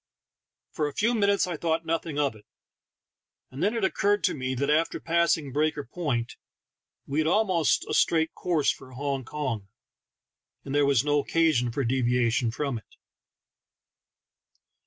For a few minutes I thought noth 22 THE TALKING HANDKERCHIEF. ing of it, and then it occurred to me that after passing Breaker Point we had almost a straight course for Hong Kong, and there was no occa sion for deviation from it.